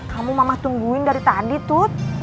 kamu mama tungguin dari tadi tuh